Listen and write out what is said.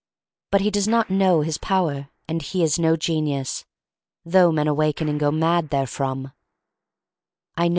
But he does not know his power, and he is no genius, though men awaken and go mad therefrom.